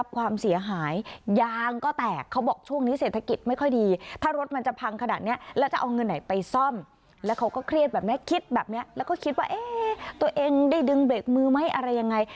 คิดแบบนี้แล้วก็คิดว่าเอ๊ะตัวเองได้ดึงเบล็กมือไหมอะไรยังไง